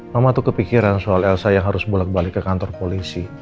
mama tuh kepikiran soal elsa yang harus bolak balik ke kantor polisi